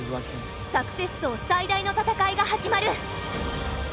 「サクセス荘」最大の戦いが始まる。